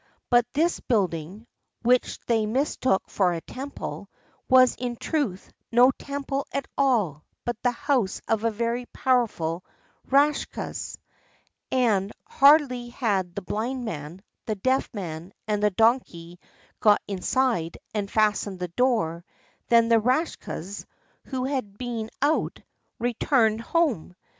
But this building, which they mistook for a temple, was in truth no temple at all, but the house of a very powerful Rakshas; and hardly had the Blind Man, the Deaf Man, and the Donkey got inside and fastened the door, than the Rakshas, who had been out, returned home.